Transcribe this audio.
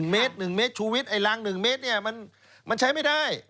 เมตร๑เมตรชูวิทไอ้รัง๑เมตรเนี่ยมันใช้ไม่ได้